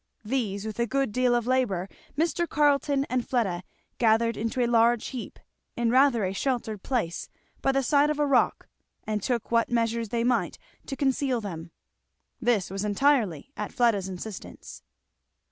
These with a good deal of labour Mr. Carleton and Fleda gathered into a large heap in rather a sheltered place by the side of a rock, and took what measures they might to conceal them. This was entirely at Fleda's instance.